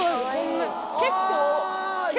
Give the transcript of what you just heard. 結構。